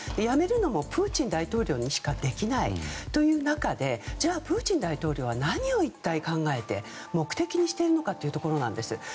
やめるのもプーチン大統領にしかできないという中でじゃあプーチン大統領は何を一体考えて目的にしているのかなんです。